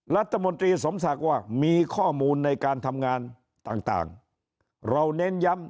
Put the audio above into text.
รัฐมนตรีสมศักดิ์ว่ามีข้อมูลในการทำงานต่างเราเน้นย้ำ